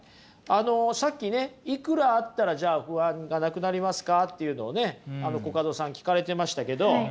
あのさっきねいくらあったらじゃあ不安がなくなりますかっていうのをねコカドさん聞かれてましたけど。